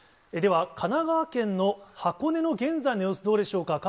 では、神奈川県の箱根の現在の様子、どうでしょうか。